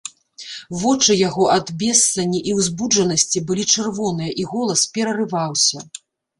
Вочы яго ад бессані і ўзбуджанасці былі чырвоныя, і голас перарываўся.